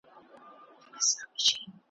د هیچا د پوهېدلو او هضمولو وړ نه دي `